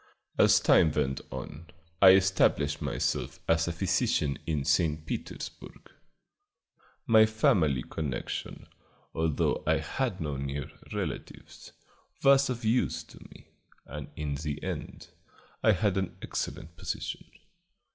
As time went on, I established myself as a physician at St. Petersburg. My family connection, although I had no near relatives, was of use to me, and in the end I had an excellent position.